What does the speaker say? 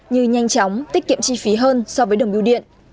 như nhanh chóng tiết kiệm chi phí hơn so với đồng biểu điện